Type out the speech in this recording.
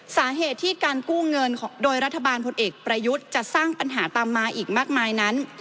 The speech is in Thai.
สาเหตุที่การกู้เงินโดยรัฐบาลพลเอกประยุทธ์จะสร้างปัญหาตามมาอีกมากมายนั้น